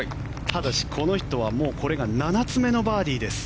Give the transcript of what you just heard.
ただしこの人は、これがもう７つ目のバーディーです。